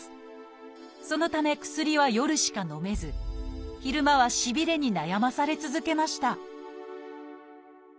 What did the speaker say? そのため薬は夜しか飲めず昼間はしびれに悩まされ続けました